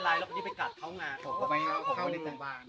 อย่าให้น้ำอย่าให้น้ำที่หนูตายที่หนูตาย